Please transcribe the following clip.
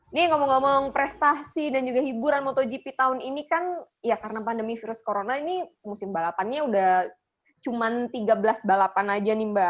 ini ngomong ngomong prestasi dan juga hiburan motogp tahun ini kan ya karena pandemi virus corona ini musim balapannya udah cuma tiga belas balapan aja nih mbak